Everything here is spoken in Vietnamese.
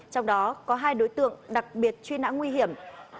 trong đó có hai đối tượng đặc biệt truy nã nguy hiểm